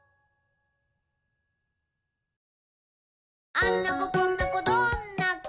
「あんな子こんな子どんな子？